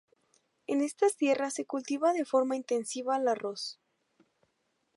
En estas tierras se cultiva de forma intensiva el arroz.